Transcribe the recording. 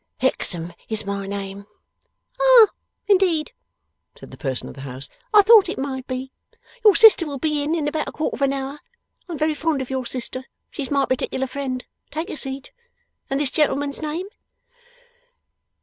'Hexam is my name.' 'Ah, indeed?' said the person of the house. 'I thought it might be. Your sister will be in, in about a quarter of an hour. I am very fond of your sister. She's my particular friend. Take a seat. And this gentleman's name?